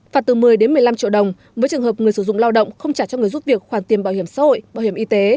phạt từ một mươi một mươi năm triệu đồng với trường hợp người sử dụng lao động không trả cho người giúp việc khoản tiền bảo hiểm xã hội bảo hiểm y tế